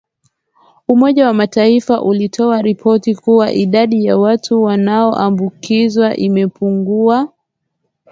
umoja wa mataifa ulitoa ripoti kuwa idadi ya watu wanaoambukizwa inapungua